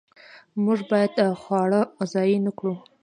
موږ باید خواړه ضایع نه کړو.